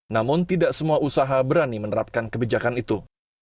namun tidak semua usaha berani menerapkan kebijakan itu